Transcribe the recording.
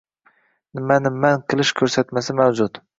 Nimani manʼ qilish ko'rsatmasi mavjud.